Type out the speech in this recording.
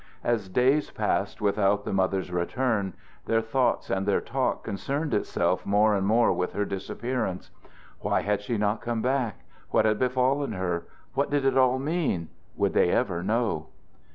As days passed without the mother's return, their thought and their talk concerned itself more and more with her disappearance. Why had she not come back? What had befallen her? What did it all mean? Would they ever know?